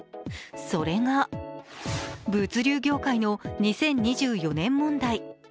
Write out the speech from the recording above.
それが物流業界の２０２４年問題。